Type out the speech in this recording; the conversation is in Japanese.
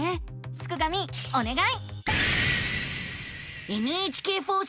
すくがミおねがい！